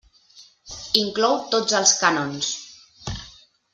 Inclou tots els cànons.